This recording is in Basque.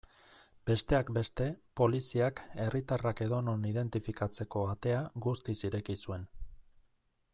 Besteak beste, poliziak herritarrak edonon identifikatzeko atea guztiz ireki zuen.